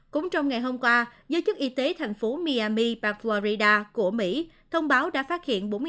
cũng trong ngày hôm qua giới chức y tế thành phố miami paclorida của mỹ thông báo đã phát hiện